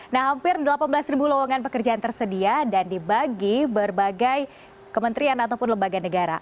nah hampir delapan belas lowongan pekerjaan tersedia dan dibagi berbagai kementerian ataupun lembaga negara